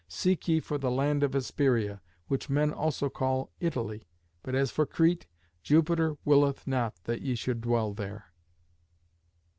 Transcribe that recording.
Seek ye for the land of Hesperia, which men also call Italy; but as for Crete, Jupiter willeth not that ye should dwell there."